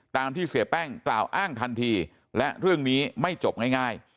ตามที่เสียแป้งกล่าวอ้างทันทีและเรื่องนี้ไม่จบง่าย